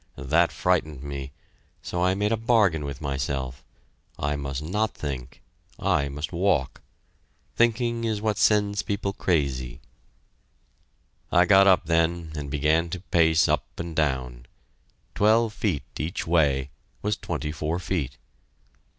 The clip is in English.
That frightened me, so I made a bargain with myself I must not think, I must walk. Thinking is what sends people crazy. I got up then and began to pace up and down. Twelve feet each way was twenty four feet.